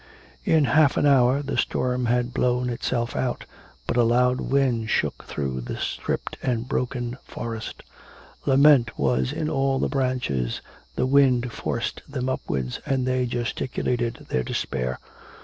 In half an hour the storm had blown itself out. But a loud wind shook through the stripped and broken forest; lament was in all the branches, the wind forced them upwards and they gesticulated their despair.